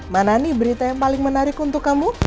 mana nih berita yang paling menarik untuk kamu